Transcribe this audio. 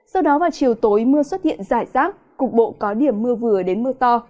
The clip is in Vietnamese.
sau đó vào chiều tối mưa xuất hiện rải rác cục bộ có điểm mưa vừa đến mưa to